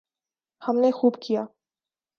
ہم نے خوب کیا۔